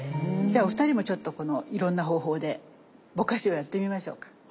じゃあお二人もちょっとこのいろんな方法でぼかしをやってみましょうか。